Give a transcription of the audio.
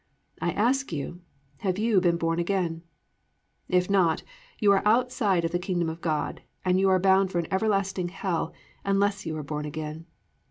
I ask you, have you been born again? If not, you are outside of the Kingdom of God and you are bound for an everlasting hell unless you are born again.